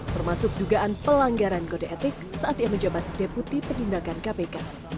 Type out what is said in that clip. termasuk dugaan pelanggaran kode etik saat ia menjabat deputi penindakan kpk